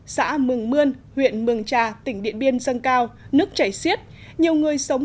xã mường mươn huyện mường trà tỉnh điện biên dâng cao nước chảy xiết nhiều người sống